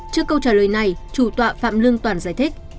trước câu trả lời này chủ tọa phạm lương toản giải thích